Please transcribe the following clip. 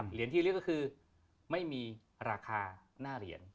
เหรียญที่เรียกก็คือไม่มีราคาหน้าเหรียญ